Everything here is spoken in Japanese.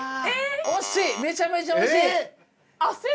惜しいめちゃめちゃ惜しい。